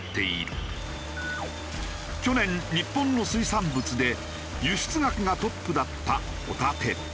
去年日本の水産物で輸出額がトップだったホタテ。